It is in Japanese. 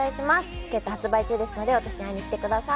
チケット発売中ですので私に会いに来てください